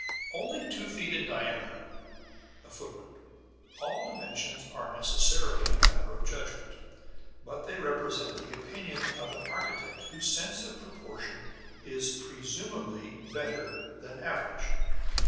"Only two feet in diameter; [Footnote: All dimensions are necessarily a matter of judgment; but they represent the opinion of an architect, whose sense of proportion is presumably better than average.